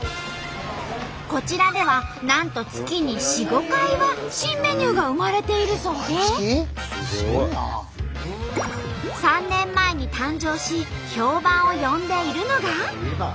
こちらではなんと月に４５回は新メニューが生まれているそうで３年前に誕生し評判を呼んでいるのが。